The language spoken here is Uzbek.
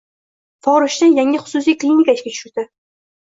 Forishda yangi xususiy klinika ishga tushdi